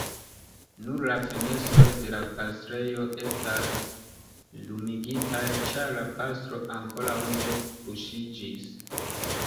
Nur la fenestroj de la pastrejo estas lumigitaj, ĉar la pastro ankoraŭ ne kuŝiĝis.